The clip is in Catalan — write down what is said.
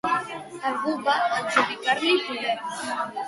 Algú va adjudicar-li poders?